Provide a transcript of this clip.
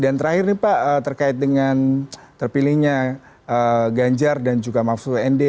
dan terakhir nih pak terkait dengan terpilihnya ganjar dan juga mahfud nd